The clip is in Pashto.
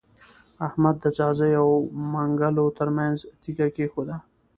احمد د ځاځيو او منلګو تر منځ تيږه کېښوده.